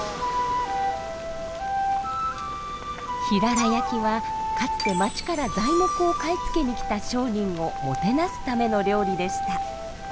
「ひらら焼き」はかつて町から材木を買い付けに来た商人をもてなすための料理でした。